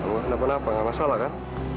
gak masalah kan